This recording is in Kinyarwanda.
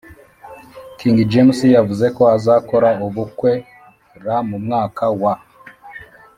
king james yavuzeko azakora ubukwera mu mwaka wa